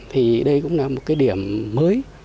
thì đây cũng là một cái điểm mới